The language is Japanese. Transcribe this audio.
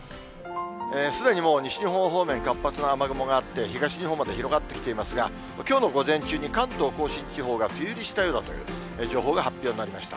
すでにもう西日本方面、活発な雨雲があって、東日本まで広がってきていますが、きょうの午前中に関東甲信地方が梅雨入りしたようだという情報が発表になりました。